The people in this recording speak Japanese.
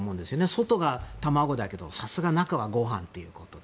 外が卵だけどさすが中はご飯ということで。